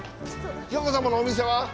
京子様のお店は？